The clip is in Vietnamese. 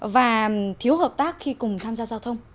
và thiếu hợp tác khi cùng tham gia giao thông